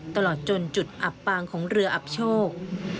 ตลอดจนจุดอับปางของเรืออับโชค